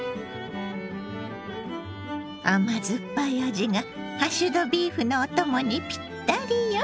甘酸っぱい味がハッシュドビーフのお供にぴったりよ。